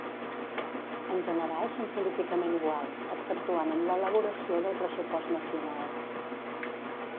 En general són políticament iguals, exceptuant en l'elaboració del pressupost nacional.